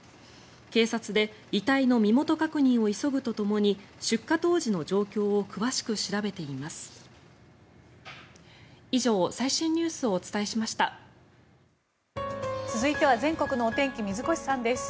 警察で遺体の身元確認を急ぐとともに出火当時の状況を詳しく調べています。